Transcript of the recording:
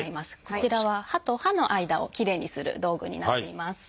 こちらは歯と歯の間をきれいにする道具になっています。